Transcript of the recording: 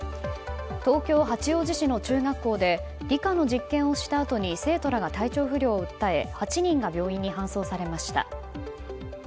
東京・八王子市の中学校で理科の実験をしたあとに生徒らが体調不良を訴え８人が病院に搬送されました。